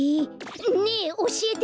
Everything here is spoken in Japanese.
ねえおしえて！